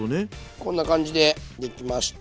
こんな感じでできました。